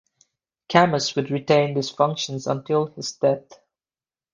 Camus would retain these functions until his death.